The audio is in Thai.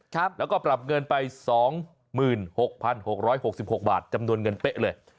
แล้วก็ปรับเงินไป๒๖๖๖๖บาทจำนวนเงินเป๊ะเลย